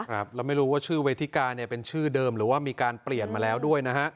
ครับแล้วไม่รู้ว่าชื่อเวทิกาเนี่ยเป็นชื่อเดิมหรือว่ามีการเปลี่ยนมาแล้วด้วยนะฮะ